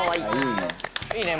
いいね！